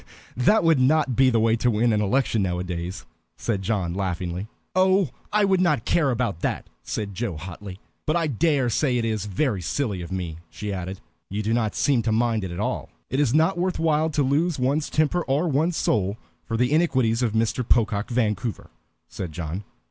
"That would not be the way to win an election nowadays," said John, laughing. "Oh, I would not care about that," said Joe, hotly. "But I dare say it is very silly of me," she added. "You do not seem to mind it at all." "It is not worth while to lose one's temper or one's soul for the iniquities of Mr. Pocock Vancouver," said John.